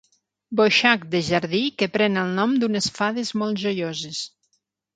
Boixac de jardí que pren el nom d'unes fades molt joioses.